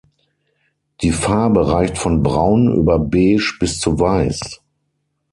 Die Farbe reicht von Braun über Beige bis zu Weiß.